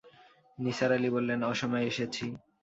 নিসার আলি বললেন, অসময়ে এসেছি।